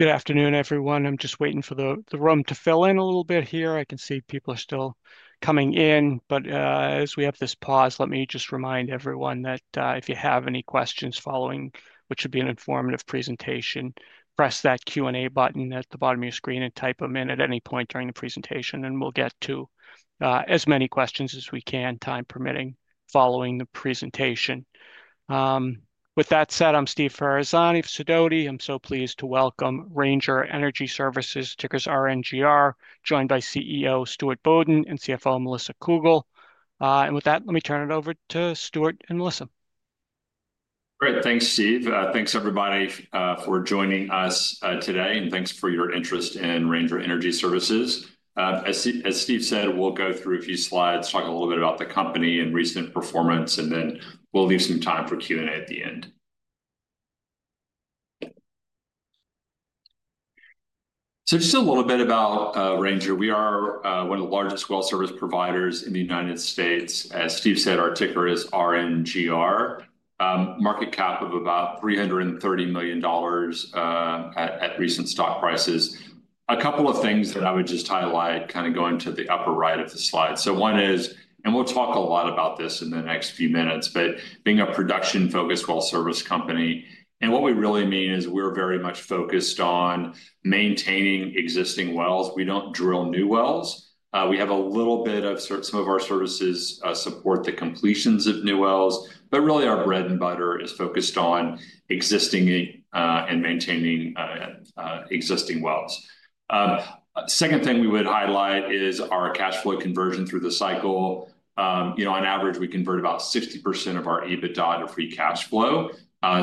Good afternoon, everyone. I'm just waiting for the room to fill in a little bit here. I can see people are still coming in, but as we have this pause, let me just remind everyone that if you have any questions following, which should be an informative presentation, press that Q&A button at the bottom of your screen and type them in at any point during the presentation, and we'll get to as many questions as we can, time permitting, following the presentation. With that said, I'm Steve Ferazani of Sidoti. I'm so pleased to welcome Ranger Energy Services, ticker RNGR, joined by CEO Stuart Bodden and CFO Melissa Cougle. With that, let me turn it over to Stuart and Melissa. Great. Thanks, Steve. Thanks, everybody, for joining us today, and thanks for your interest in Ranger Energy Services. As Steve said, we'll go through a few slides, talk a little bit about the company and recent performance, and then we'll leave some time for Q&A at the end. Just a little bit about Ranger. We are one of the largest well service providers in the United States. As Steve said, our ticker is RNGR, market cap of about $330 million at recent stock prices. A couple of things that I would just highlight, kind of going to the upper right of the slide. One is, and we'll talk a lot about this in the next few minutes, being a production-focused well service company, and what we really mean is we're very much focused on maintaining existing wells. We don't drill new wells. We have a little bit of some of our services support the completions of new wells, but really our bread and butter is focused on existing and maintaining existing wells. Second thing we would highlight is our cash flow conversion through the cycle. You know, on average, we convert about 60% of our EBITDA to free cash flow.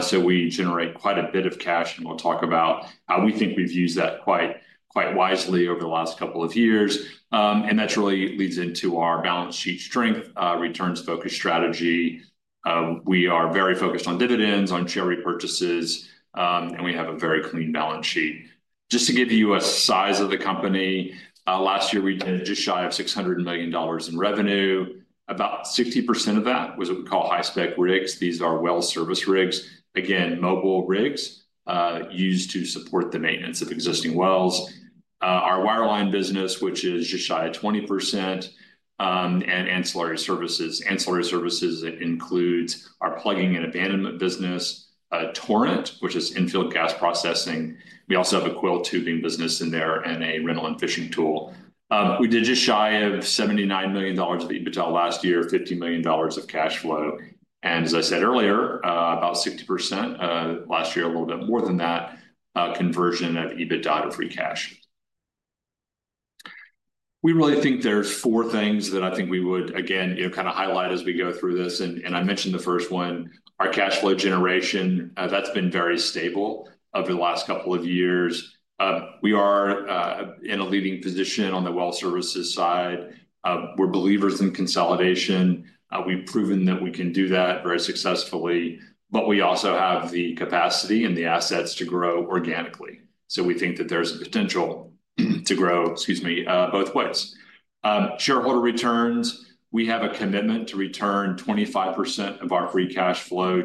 So we generate quite a bit of cash, and we'll talk about how we think we've used that quite wisely over the last couple of years. That really leads into our balance sheet strength, returns-focused strategy. We are very focused on dividends, on share repurchases, and we have a very clean balance sheet. Just to give you a size of the company, last year we did just shy of $600 million in revenue. About 60% of that was what we call high-spec rigs. These are well service rigs, again, mobile rigs used to support the maintenance of existing wells. Our wireline business, which is just shy of 20%, and ancillary services. Ancillary services include our plugging and abandonment business, Torrent, which is infield gas processing. We also have a coiled tubing business in there and a rental and fishing tool. We did just shy of $79 million of EBITDA last year, $50 million of cash flow. As I said earlier, about 60% last year, a little bit more than that, conversion of EBITDA to free cash. We really think there's four things that I think we would, again, kind of highlight as we go through this. I mentioned the first one, our cash flow generation. That's been very stable over the last couple of years. We are in a leading position on the well services side. We're believers in consolidation. We've proven that we can do that very successfully, but we also have the capacity and the assets to grow organically. We think that there's potential to grow, excuse me, both ways. Shareholder returns, we have a commitment to return 25% of our free cash flow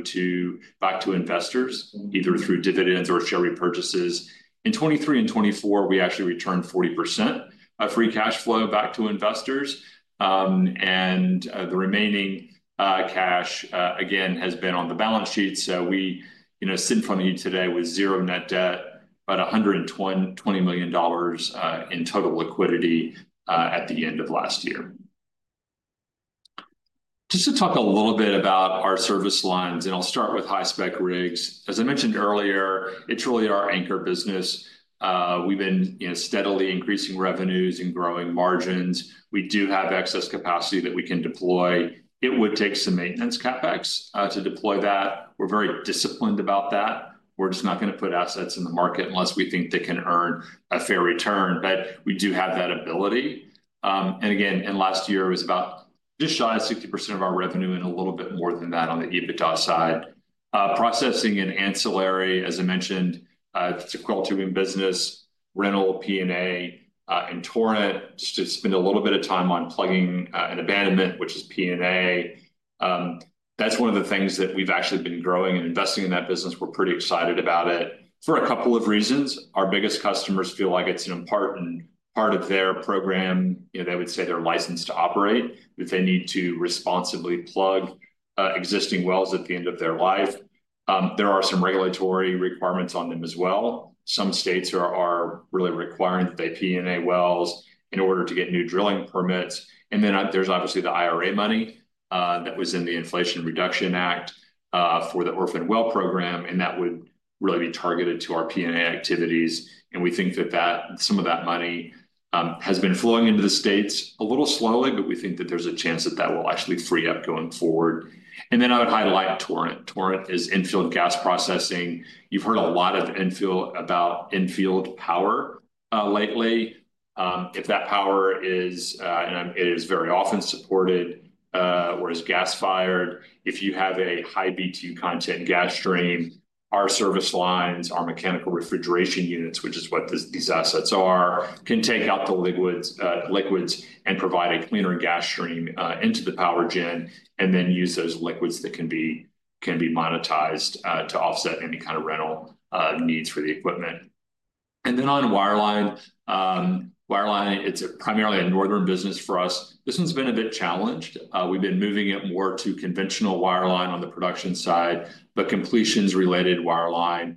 back to investors, either through dividends or share repurchases. In 2023 and 2024, we actually returned 40% of free cash flow back to investors. The remaining cash, again, has been on the balance sheet. We sit in front of you today with zero net debt, but $120 million in total liquidity at the end of last year. Just to talk a little bit about our service lines, and I'll start with high-spec rigs. As I mentioned earlier, it's really our anchor business. We've been steadily increasing revenues and growing margins. We do have excess capacity that we can deploy. It would take some maintenance CapEx to deploy that. We're very disciplined about that. We're just not going to put assets in the market unless we think they can earn a fair return, but we do have that ability. Again, in last year, it was about just shy of 60% of our revenue and a little bit more than that on the EBITDA side. Processing and ancillary, as I mentioned, it's a coiled tubing business, rental, P&A, and Torrent. Just to spend a little bit of time on plugging and abandonment, which is P&A. That's one of the things that we've actually been growing and investing in that business. We're pretty excited about it for a couple of reasons. Our biggest customers feel like it's an important part of their program. They would say they're licensed to operate, that they need to responsibly plug existing wells at the end of their life. There are some regulatory requirements on them as well. Some states are really requiring that they P&A wells in order to get new drilling permits. There is obviously the IRA money that was in the Inflation Reduction Act for the Orphan Well Program, and that would really be targeted to our P&A activities. We think that some of that money has been flowing into the states a little slowly, but we think that there's a chance that that will actually free up going forward. I would highlight Torrent. Torrent is infield gas processing. You've heard a lot about infield power lately. If that power is, and it is very often supported, whereas gas fired, if you have a high BTU content gas stream, our service lines, our mechanical refrigeration units, which is what these assets are, can take out the liquids and provide a cleaner gas stream into the power gen, and then use those liquids that can be monetized to offset any kind of rental needs for the equipment. On wireline, wireline, it's primarily a northern business for us. This one's been a bit challenged. We've been moving it more to conventional wireline on the production side, but completions-related wireline.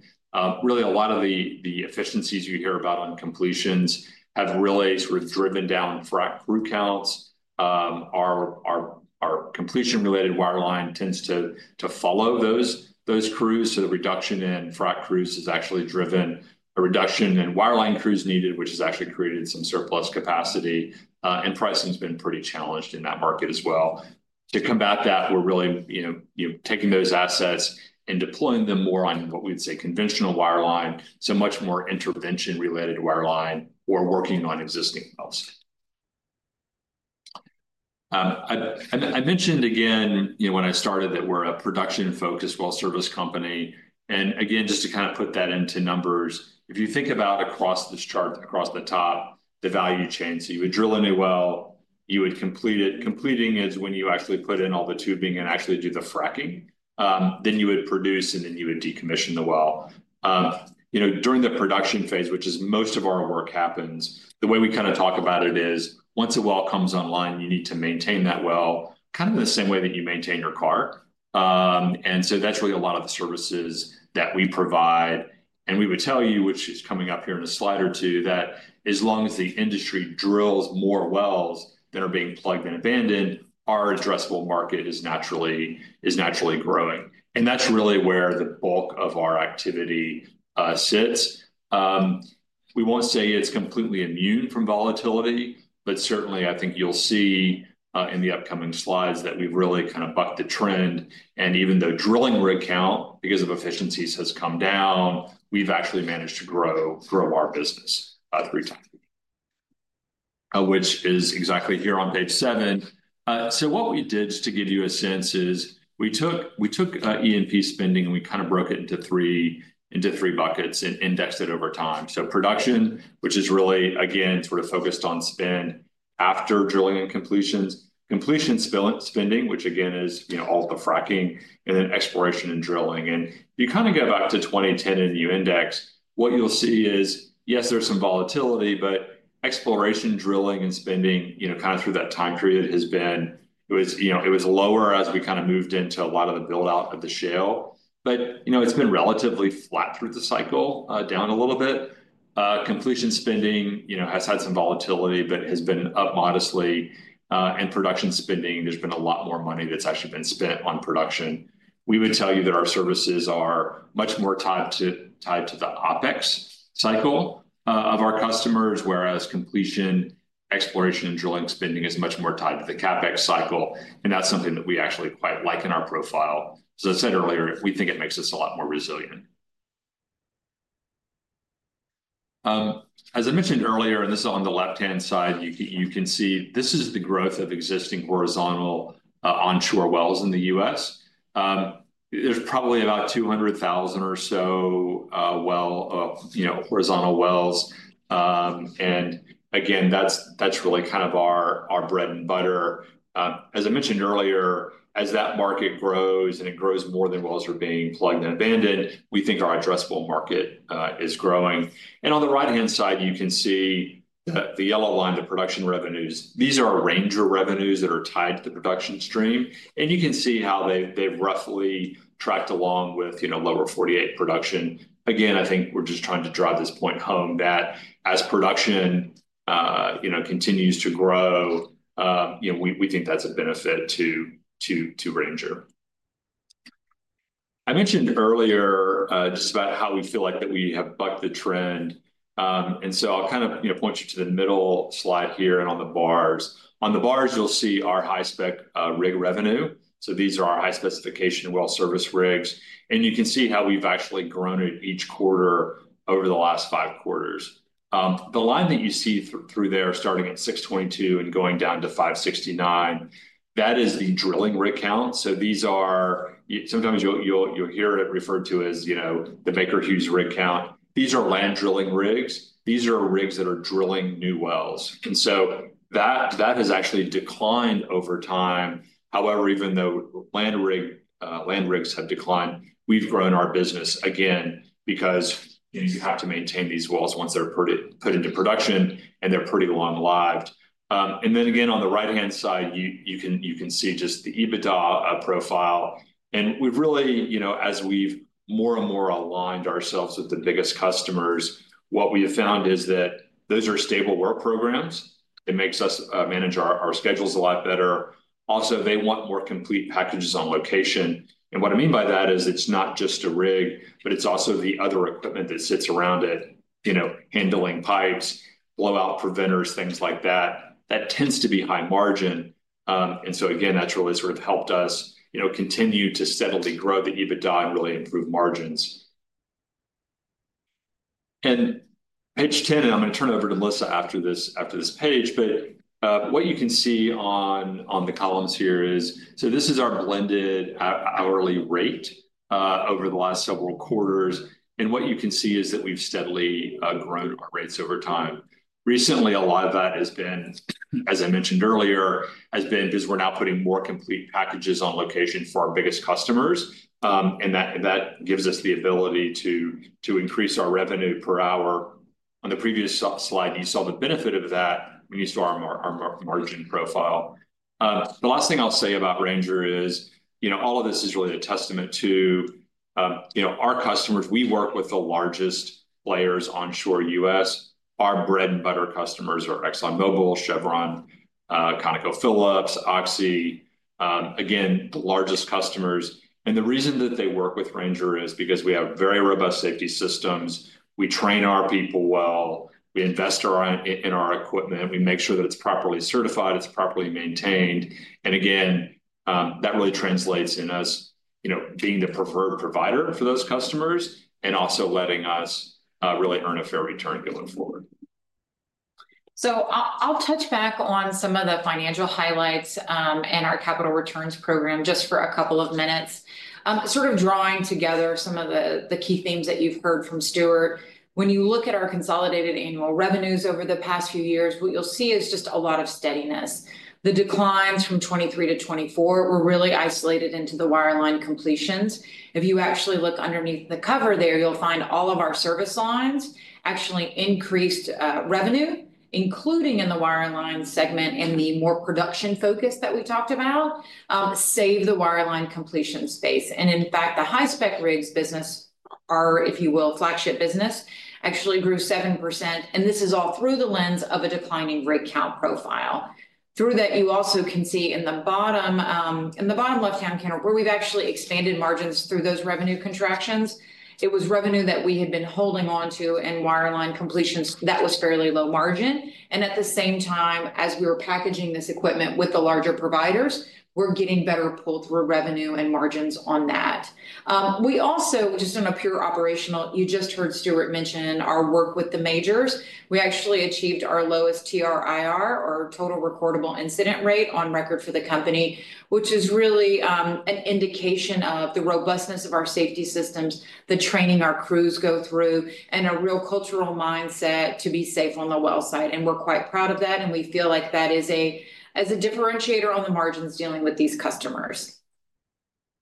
Really, a lot of the efficiencies you hear about on completions have really sort of driven down frac crew counts. Our completion-related wireline tends to follow those crews, so the reduction in frac crews is actually driving a reduction in wireline crews needed, which has actually created some surplus capacity. Pricing has been pretty challenged in that market as well. To combat that, we're really taking those assets and deploying them more on what we'd say conventional wireline, so much more intervention-related wireline or working on existing wells. I mentioned again when I started that we're a production-focused well service company. Again, just to kind of put that into numbers, if you think about across this chart, across the top, the value chain. You would drill in a well, you would complete it. Completing is when you actually put in all the tubing and actually do the fracking. You would produce, and you would decommission the well. During the production phase, which is most of our work happens, the way we kind of talk about it is once a well comes online, you need to maintain that well, kind of in the same way that you maintain your car. And so that's really a lot of the services that we provide. And we would tell you, which is coming up here in a slide or two, that as long as the industry drills more wells that are being plugged and abandoned, our addressable market is naturally growing. And that's really where the bulk of our activity sits. We won't say it's completely immune from volatility, but certainly I think you'll see in the upcoming slides that we've really kind of bucked the trend. Even though drilling rig count because of efficiencies has come down, we've actually managed to grow our business three times, which is exactly here on page seven. What we did just to give you a sense is we took E&P spending, and we kind of broke it into three buckets and indexed it over time. Production, which is really, again, sort of focused on spend after drilling and completions, completion spending, which again is all the fracking, and then exploration and drilling. If you kind of go back to 2010 and you index, what you'll see is, yes, there's some volatility, but exploration, drilling, and spending kind of through that time period has been, it was lower as we kind of moved into a lot of the build-out of the shale. It's been relatively flat through the cycle, down a little bit. Completion spending has had some volatility, but has been up modestly. Production spending, there's been a lot more money that's actually been spent on production. We would tell you that our services are much more tied to the OPEX cycle of our customers, whereas completion, exploration, and drilling spending is much more tied to the CapEx cycle. That's something that we actually quite like in our profile. As I said earlier, we think it makes us a lot more resilient. As I mentioned earlier, and this is on the left-hand side, you can see this is the growth of existing horizontal onshore wells in the U.S. There's probably about 200,000 or so horizontal wells. Again, that's really kind of our bread and butter. As I mentioned earlier, as that market grows and it grows more than wells are being plugged and abandoned, we think our addressable market is growing. On the right-hand side, you can see the yellow line, the production revenues. These are Ranger revenues that are tied to the production stream. You can see how they've roughly tracked along with Lower 48 production. Again, I think we're just trying to drive this point home that as production continues to grow, we think that's a benefit to Ranger. I mentioned earlier just about how we feel like that we have bucked the trend. I'll kind of point you to the middle slide here and on the bars. On the bars, you'll see our high-spec rig revenue. These are our high-specification well service rigs. You can see how we've actually grown it each quarter over the last five quarters. The line that you see through there, starting at 622 and going down to 569, that is the drilling rig count. These are sometimes you'll hear it referred to as the Baker Hughes rig count. These are land drilling rigs. These are rigs that are drilling new wells. That has actually declined over time. However, even though land rigs have declined, we've grown our business again because you have to maintain these wells once they're put into production and they're pretty long lived. On the right-hand side, you can see just the EBITDA profile. We've really, as we've more and more aligned ourselves with the biggest customers, what we have found is that those are stable work programs. It makes us manage our schedules a lot better. Also, they want more complete packages on location. What I mean by that is it's not just a rig, but it's also the other equipment that sits around it, handling pipes, blowout preventers, things like that. That tends to be high margin. That really sort of helped us continue to steadily grow the EBITDA and really improve margins. Page 10, and I'm going to turn it over to Melissa after this page, but what you can see on the columns here is, this is our blended hourly rate over the last several quarters. What you can see is that we've steadily grown our rates over time. Recently, a lot of that has been, as I mentioned earlier, because we're now putting more complete packages on location for our biggest customers. That gives us the ability to increase our revenue per hour. On the previous slide, you saw the benefit of that when you saw our margin profile. The last thing I'll say about Ranger is all of this is really a testament to our customers. We work with the largest players onshore U.S. Our bread and butter customers are ExxonMobil, Chevron, ConocoPhillips, Oxy. Again, the largest customers. The reason that they work with Ranger is because we have very robust safety systems. We train our people well. We invest in our equipment. We make sure that it's properly certified. It's properly maintained. That really translates in us being the preferred provider for those customers and also letting us really earn a fair return going forward. I'll touch back on some of the financial highlights and our capital returns program just for a couple of minutes, sort of drawing together some of the key themes that you've heard from Stuart. When you look at our consolidated annual revenues over the past few years, what you'll see is just a lot of steadiness. The declines from 2023 to 2024 were really isolated into the wireline completions. If you actually look underneath the cover there, you'll find all of our service lines actually increased revenue, including in the wireline segment and the more production focus that we talked about, save the wireline completion space. In fact, the high-spec rigs business, or if you will, flagship business, actually grew 7%. This is all through the lens of a declining rig count profile. Through that, you also can see in the bottom left-hand corner where we've actually expanded margins through those revenue contractions. It was revenue that we had been holding on to in wireline completions. That was fairly low margin. At the same time, as we were packaging this equipment with the larger providers, we're getting better pull-through revenue and margins on that. Also, just on a pure operational, you just heard Stuart mention our work with the majors. We actually achieved our lowest TRIR, or total recordable incident rate, on record for the company, which is really an indication of the robustness of our safety systems, the training our crews go through, and a real cultural mindset to be safe on the well side. We are quite proud of that, and we feel like that is a differentiator on the margins dealing with these customers.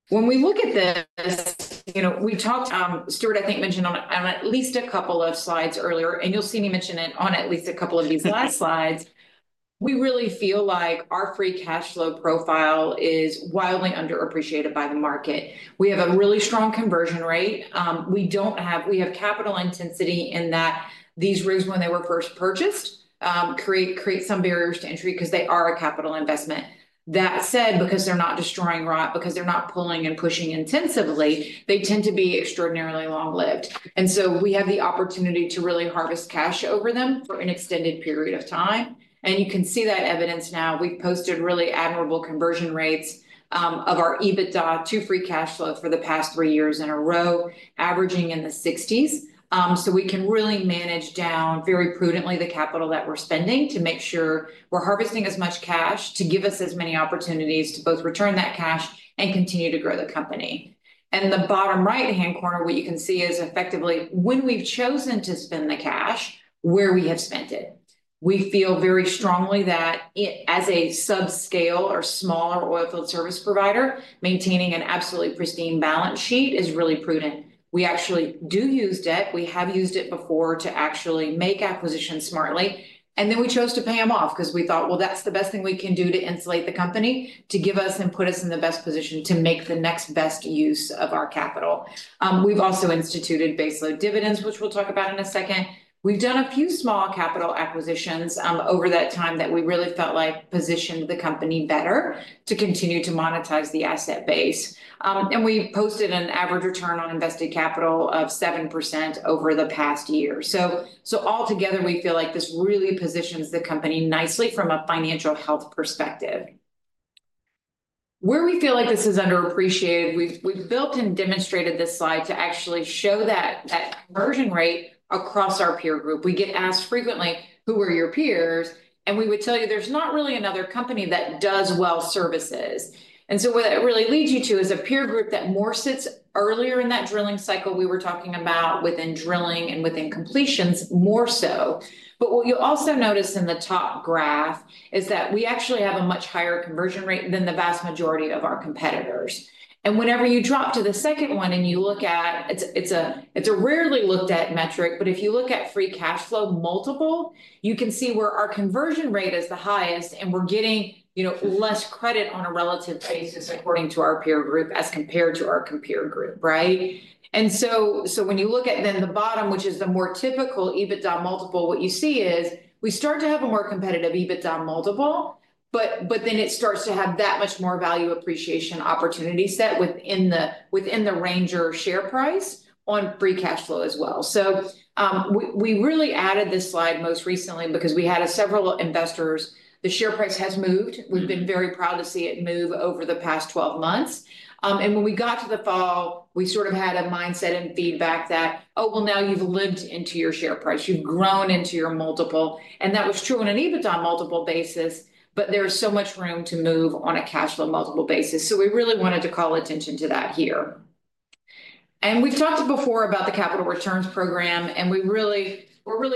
When we look at this, we talked, Stuart, I think mentioned on at least a couple of slides earlier, and you'll see me mention it on at least a couple of these last slides. We really feel like our free cash flow profile is wildly underappreciated by the market. We have a really strong conversion rate. We have capital intensity in that these rigs, when they were first purchased, create some barriers to entry because they are a capital investment. That said, because they're not destroying rock, because they're not pulling and pushing intensively, they tend to be extraordinarily long-lived. We have the opportunity to really harvest cash over them for an extended period of time. You can see that evidence now. We've posted really admirable conversion rates of our EBITDA to free cash flow for the past three years in a row, averaging in the 60% range. We can really manage down very prudently the capital that we're spending to make sure we're harvesting as much cash to give us as many opportunities to both return that cash and continue to grow the company. In the bottom right-hand corner, what you can see is effectively when we've chosen to spend the cash where we have spent it. We feel very strongly that as a subscale or smaller oilfield service provider, maintaining an absolutely pristine balance sheet is really prudent. We actually do use debt. We have used it before to actually make acquisitions smartly. Then we chose to pay them off because we thought, well, that's the best thing we can do to insulate the company, to give us and put us in the best position to make the next best use of our capital. We've also instituted base load dividends, which we'll talk about in a second. We've done a few small capital acquisitions over that time that we really felt like positioned the company better to continue to monetize the asset base. We posted an average return on invested capital of 7% over the past year. Altogether, we feel like this really positions the company nicely from a financial health perspective. Where we feel like this is underappreciated, we've built and demonstrated this slide to actually show that conversion rate across our peer group. We get asked frequently, "Who are your peers?" We would tell you, there's not really another company that does well services. What that really leads you to is a peer group that more sits earlier in that drilling cycle we were talking about within drilling and within completions more so. What you'll also notice in the top graph is that we actually have a much higher conversion rate than the vast majority of our competitors. Whenever you drop to the second one and you look at, it's a rarely looked at metric, but if you look at free cash flow multiple, you can see where our conversion rate is the highest and we're getting less credit on a relative basis according to our peer group as compared to our competitor group, right? When you look at then the bottom, which is the more typical EBITDA multiple, what you see is we start to have a more competitive EBITDA multiple, but then it starts to have that much more value appreciation opportunity set within the Ranger share price on free cash flow as well. We really added this slide most recently because we had several investors. The share price has moved. We've been very proud to see it move over the past 12 months. When we got to the fall, we sort of had a mindset and feedback that, "Oh, now you've lived into your share price. You've grown into your multiple." That was true on an EBITDA multiple basis, but there is so much room to move on a cash flow multiple basis. We really wanted to call attention to that here. We've talked before about the capital returns program, and we're really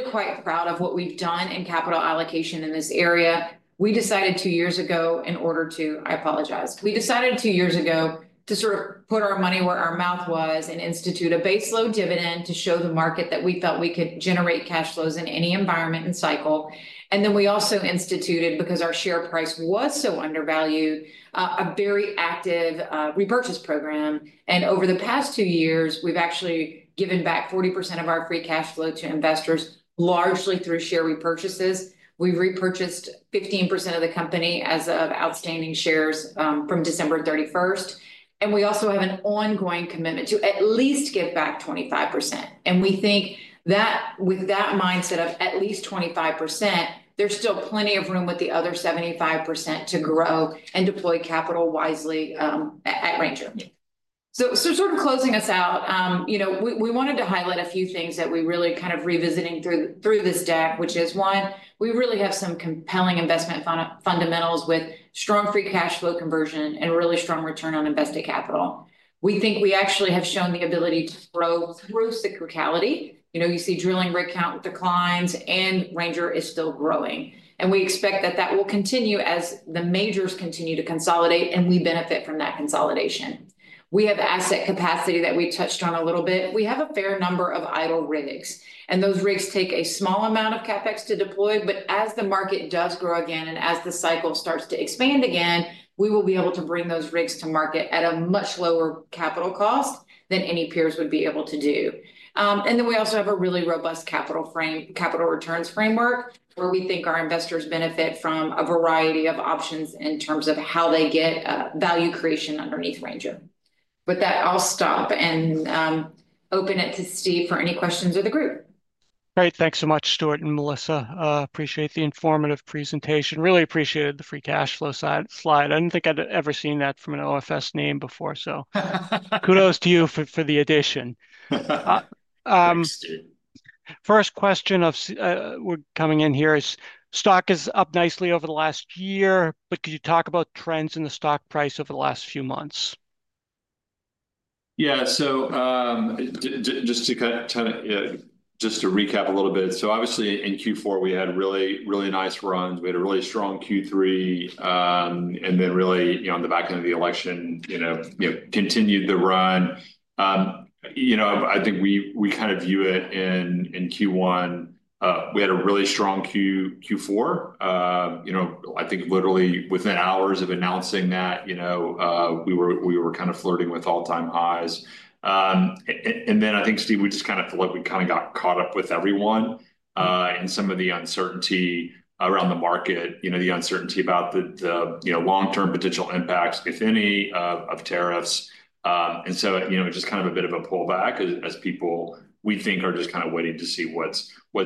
quite proud of what we've done in capital allocation in this area. We decided two years ago in order to, I apologize. We decided two years ago to sort of put our money where our mouth was and institute a base load dividend to show the market that we felt we could generate cash flows in any environment and cycle. We also instituted, because our share price was so undervalued, a very active repurchase program. Over the past two years, we've actually given back 40% of our free cash flow to investors, largely through share repurchases. We've repurchased 15% of the company as of outstanding shares from December 31. We also have an ongoing commitment to at least give back 25%. We think that with that mindset of at least 25%, there's still plenty of room with the other 75% to grow and deploy capital wisely at Ranger. To sort of close us out, we wanted to highlight a few things that we really are kind of revisiting through this deck, which is, one, we really have some compelling investment fundamentals with strong free cash flow conversion and really strong return on invested capital. We think we actually have shown the ability to grow through cyclicality. You see drilling rig count declines and Ranger is still growing. We expect that that will continue as the majors continue to consolidate and we benefit from that consolidation. We have asset capacity that we touched on a little bit. We have a fair number of idle rigs, and those rigs take a small amount of CapEx to deploy. As the market does grow again and as the cycle starts to expand again, we will be able to bring those rigs to market at a much lower capital cost than any peers would be able to do. We also have a really robust capital returns framework where we think our investors benefit from a variety of options in terms of how they get value creation underneath Ranger. With that, I'll stop and open it to Steve for any questions of the group. Great. Thanks so much, Stuart and Melissa. Appreciate the informative presentation. Really appreciated the free cash flow slide. I don't think I'd ever seen that from an OFS name before, so kudos to you for the addition. First question of coming in here is stock is up nicely over the last year, but could you talk about trends in the stock price over the last few months? Yeah. Just to kind of recap a little bit, obviously in Q4, we had really nice runs. We had a really strong Q3. Really on the back end of the election, continued the run. I think we kind of view it in Q1, we had a really strong Q4. I think literally within hours of announcing that, we were kind of flirting with all-time highs. I think, Steve, we just kind of felt like we kind of got caught up with everyone and some of the uncertainty around the market, the uncertainty about the long-term potential impacts, if any, of tariffs. It is just kind of a bit of a pullback as people, we think, are just kind of waiting to see what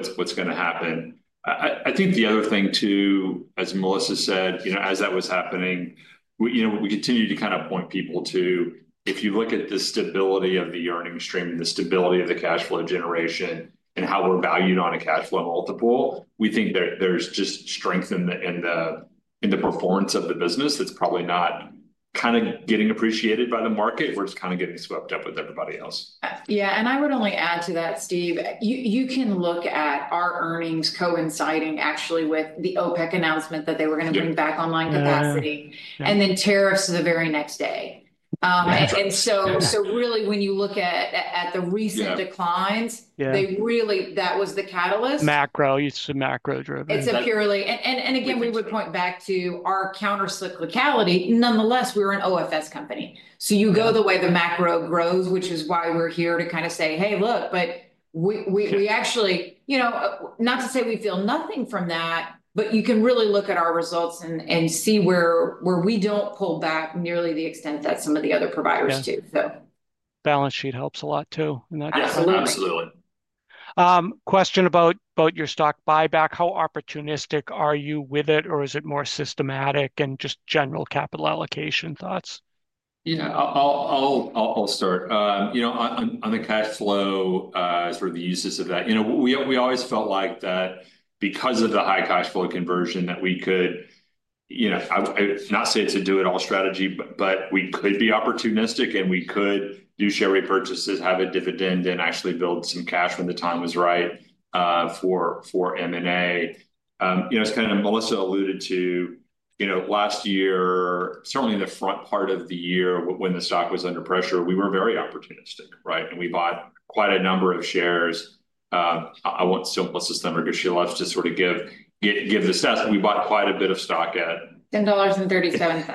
is going to happen. I think the other thing too, as Melissa said, as that was happening, we continue to kind of point people to, if you look at the stability of the earnings stream, the stability of the cash flow generation, and how we are valued on a cash flow multiple, we think there is just strength in the performance of the business that is probably not kind of getting appreciated by the market. We are just kind of getting swept up with everybody else. Yeah. I would only add to that, Steve, you can look at our earnings coinciding actually with the OPEC announcement that they were going to bring back online capacity and then tariffs the very next day. Really, when you look at the recent declines, that was the catalyst. Macro. You said macro-driven. It's purely, and again, we would point back to our countercyclicality. Nonetheless, we were an OFS company. You go the way the macro grows, which is why we're here to kind of say, "Hey, look," but we actually, not to say we feel nothing from that, but you can really look at our results and see where we do not pull back nearly the extent that some of the other providers do. Balance sheet helps a lot too in that case. Yeah, absolutely. Question about your stock buyback. How opportunistic are you with it, or is it more systematic and just general capital allocation thoughts? Yeah, I'll start. On the cash flow, sort of the uses of that, we always felt like that because of the high cash flow conversion that we could, I would not say it's a do-it-all strategy, but we could be opportunistic and we could do share repurchases, have a dividend, and actually build some cash when the time was right for M&A. As kind of Melissa alluded to, last year, certainly in the front part of the year when the stock was under pressure, we were very opportunistic, right? We bought quite a number of shares. I won't still list this number because she loves to sort of give the stats, but we bought quite a bit of stock at $10.37.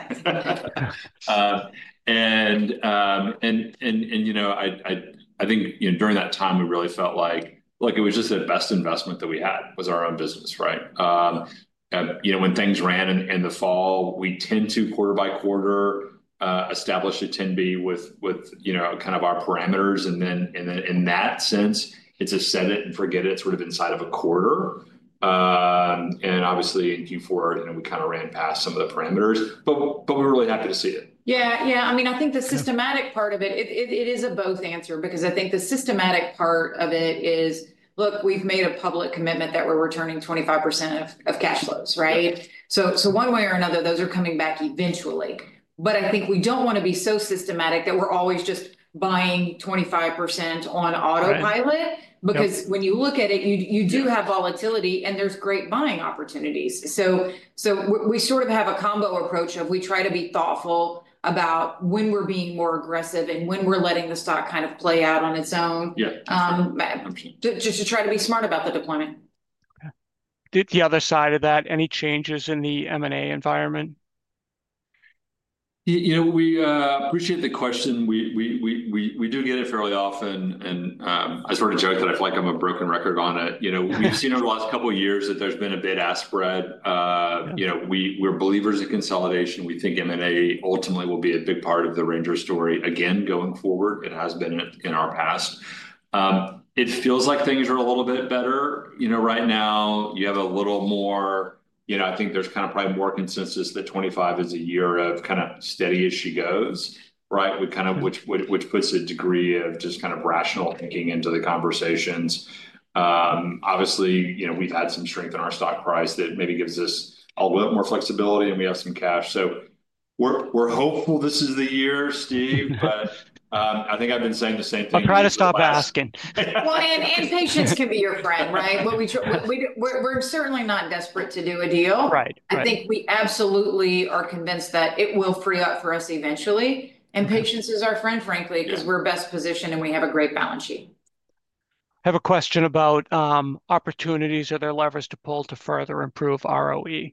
I think during that time, we really felt like it was just the best investment that we had was our own business, right? When things ran in the fall, we tend to quarter by quarter establish a 10b with kind of our parameters. In that sense, it's a set it and forget it sort of inside of a quarter. Obviously in Q4, we kind of ran past some of the parameters, but we're really happy to see it. Yeah. Yeah. I mean, I think the systematic part of it, it is a both answer because I think the systematic part of it is, look, we've made a public commitment that we're returning 25% of cash flows, right? One way or another, those are coming back eventually. I think we don't want to be so systematic that we're always just buying 25% on autopilot because when you look at it, you do have volatility and there's great buying opportunities. We sort of have a combo approach of we try to be thoughtful about when we're being more aggressive and when we're letting the stock kind of play out on its own, just to try to be smart about the deployment. Okay. The other side of that, any changes in the M&A environment? We appreciate the question. We do get it fairly often. I sort of joke that I feel like I'm a broken record on it. We've seen over the last couple of years that there's been a bit of spread. We're believers in consolidation. We think M&A ultimately will be a big part of the Ranger story again going forward. It has been in our past. It feels like things are a little bit better. Right now, you have a little more, I think there's kind of probably more consensus that 2025 is a year of kind of steady as she goes, right? Which puts a degree of just kind of rational thinking into the conversations. Obviously, we've had some strength in our stock price that maybe gives us a little more flexibility and we have some cash. We are hopeful this is the year, Steve, but I think I've been saying the same thing. I'll try to stop asking. Patience can be your friend, right? We're certainly not desperate to do a deal. I think we absolutely are convinced that it will free up for us eventually. Patience is our friend, frankly, because we're best positioned and we have a great balance sheet. I have a question about opportunities. Are there levers to pull to further improve ROE?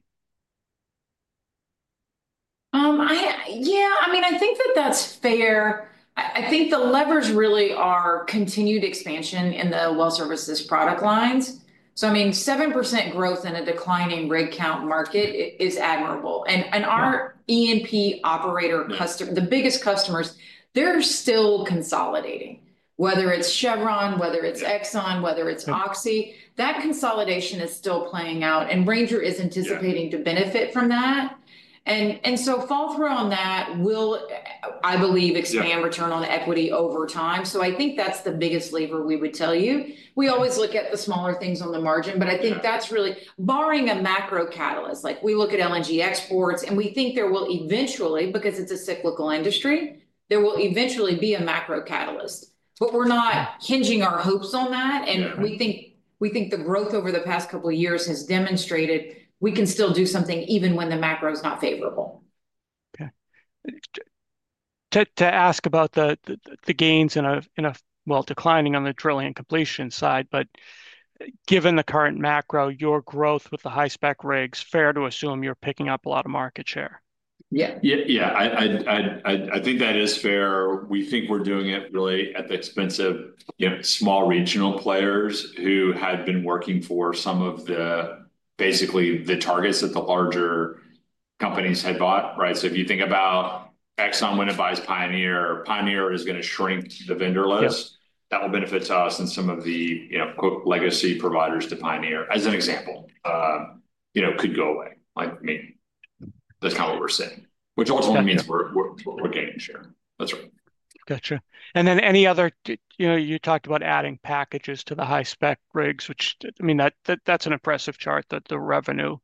Yeah. I mean, I think that that's fair. I think the levers really are continued expansion in the well services product lines. I mean, 7% growth in a declining rig count market is admirable. And our E&P operator, the biggest customers, they're still consolidating, whether it's Chevron, whether it's Exxon, whether it's Oxy. That consolidation is still playing out. Ranger is anticipating to benefit from that. Fall through on that will, I believe, expand return on equity over time. I think that's the biggest lever we would tell you. We always look at the smaller things on the margin, but I think that's really barring a macro catalyst. We look at LNG exports and we think there will eventually, because it's a cyclical industry, there will eventually be a macro catalyst. We're not hinging our hopes on that. We think the growth over the past couple of years has demonstrated we can still do something even when the macro is not favorable. Okay. To ask about the gains in a, well, declining on the drilling and completion side, but given the current macro, your growth with the high-spec rigs, fair to assume you're picking up a lot of market share. Yeah. Yeah. I think that is fair. We think we're doing it really at the expense of small regional players who had been working for some of basically the targets that the larger companies had bought, right? If you think about Exxon when it buys Pioneer, Pioneer is going to shrink the vendor list. That will benefit us and some of the legacy providers to Pioneer, as an example, could go away. That is kind of what we're saying, which ultimately means we're gaining share. That's right. Gotcha. And then any other, you talked about adding packages to the high-spec rigs, which I mean, that's an impressive chart, the revenue,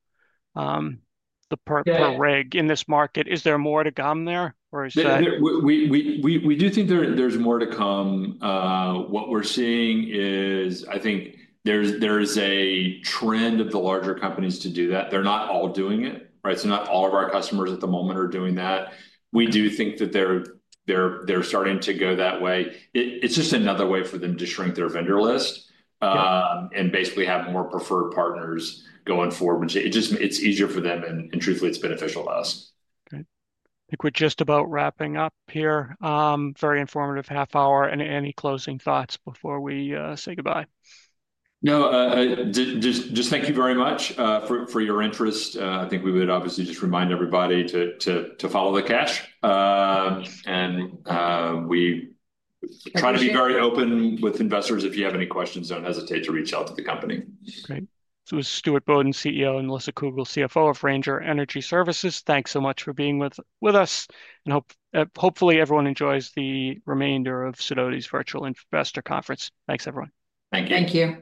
the per rig in this market. Is there more to come there or is that? We do think there's more to come. What we're seeing is, I think there is a trend of the larger companies to do that. They're not all doing it, right? So not all of our customers at the moment are doing that. We do think that they're starting to go that way. It's just another way for them to shrink their vendor list and basically have more preferred partners going forward. It's easier for them. And truthfully, it's beneficial to us. Okay. I think we're just about wrapping up here. Very informative half hour. Any closing thoughts before we say goodbye? No. Just thank you very much for your interest. I think we would obviously just remind everybody to follow the cash. We try to be very open with investors. If you have any questions, do not hesitate to reach out to the company. Great. This was Stuart Bodden, CEO, and Melissa Cougle, CFO of Ranger Energy Services. Thanks so much for being with us. Hopefully everyone enjoys the remainder of Sidoti's virtual investor conference. Thanks, everyone. Thank you. Thank you.